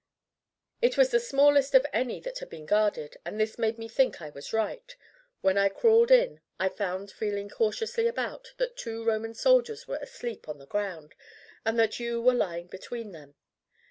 "It was the smallest of any that had been guarded, and this made me think I was right. When I crawled in I found feeling cautiously about, that two Roman soldiers were asleep on the ground and that you were lying between them.